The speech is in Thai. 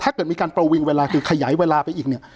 ถ้าเกิดมีการประวิงเวลาคือขยายเวลาไปอีกเนี่ย